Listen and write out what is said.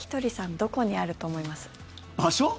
どこにあると思います？